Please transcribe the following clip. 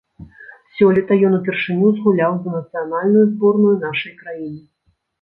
Сёлета ён упершыню згуляў за нацыянальную зборную нашай краіны.